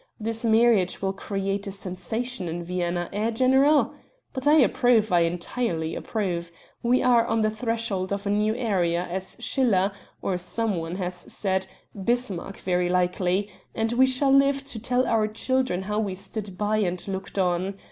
This marriage will create a sensation in Vienna, eh, general? But I approve I entirely approve. We are on the threshold of a new era, as Schiller or some one has said, Bismarck very likely and we shall live to tell our children how we stood by and looked on.